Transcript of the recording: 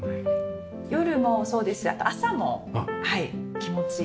夜もそうですし朝も気持ちいいです。